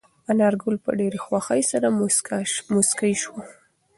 انارګل په ډېرې خوښۍ سره موسکی شو.